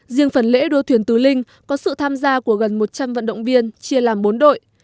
riêng phần lễ đua thuyền tứ linh có sự tham gia của gần một trăm linh vận động viên chia làm bốn đội